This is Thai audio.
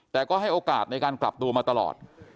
แต่ก็ให้โอกาสในการกลับตัวมาตลอด